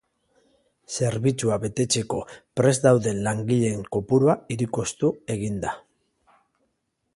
Zerbitzua betetzeko prest dauden langileen kopurua hirukoiztu egin da.